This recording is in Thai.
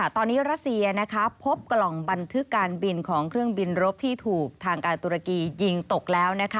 ตอนนี้รัสเซียพบกล่องบันทึกการบินของเครื่องบินรบที่ถูกทางการตุรกียิงตกแล้ว